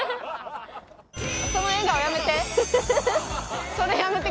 その笑顔やめて！